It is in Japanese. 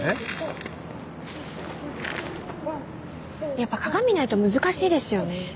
やっぱ鏡ないと難しいですよね。